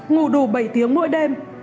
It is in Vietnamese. ngủ đủ bảy tiếng mỗi đêm